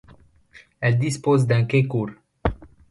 Elle dispose d'un quai court.